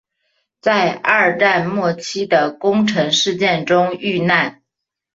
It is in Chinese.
在二战末期的宫城事件中遇难。